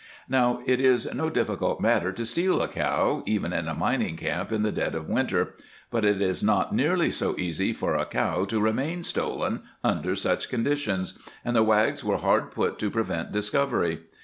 Now it is no difficult matter to steal a cow, even in a mining camp in the dead of winter, but it is not nearly so easy for a cow to remain stolen under such conditions, and the Wags were hard put to prevent discovery.